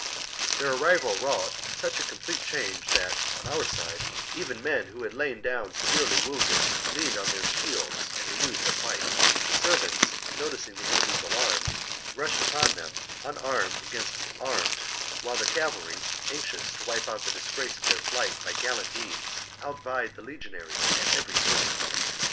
27. Their arrival wrought such a complete change that, on our side, even men who had lain down severely wounded learned on their shields and renewed the fight : the servants, noticing the enemy's alarm, rushed upon them, unarmed against armed ; while the cavalry, anxious to wipe out the disgrace of their flight by gallant deeds, outvied the legionaries at every point.